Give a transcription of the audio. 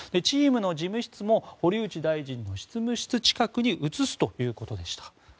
チームの事務室も堀内大臣の執務室近くに移すということでした。